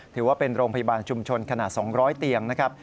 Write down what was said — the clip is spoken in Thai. ถือว่าเป็นโรงพยาบาลชุมชนขนาด๒๐๐เตียงนะครับ